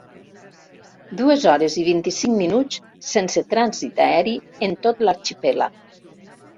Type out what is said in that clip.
Dues hores i vint-i-cinc minuts sense trànsit aeri en tot l'arxipèlag.